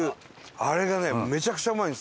あれがねめちゃくちゃうまいんですよ。